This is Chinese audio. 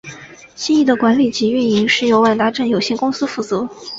新翼的管理及营运是由万达镇有限公司负责。